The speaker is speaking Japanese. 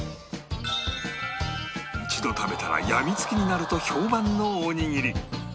一度食べたらやみつきになると評判のおにぎり